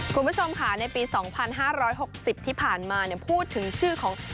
คุณผู้ชมค่ะในปีสองพันห้าร้อยหกสิบที่ผ่านมาเนี่ยพูดถึงชื่อของ